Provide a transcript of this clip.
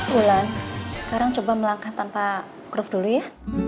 wulan sekarang coba melangkah tanpa carew dulu ya